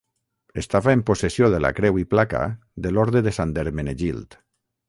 Estava en possessió de la creu i placa de l'Orde de Sant Hermenegild.